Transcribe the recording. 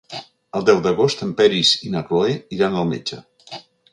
El deu d'agost en Peris i na Cloè iran al metge.